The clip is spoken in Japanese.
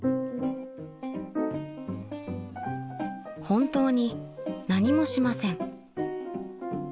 ［本当に何もしません］